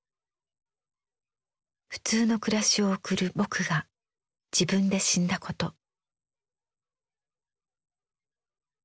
普通の暮らしを送る「ぼく」が自分で死んだこと。